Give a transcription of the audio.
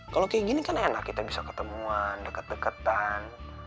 kalau kayak gini kan enak kita bisa ketemuan deket deketan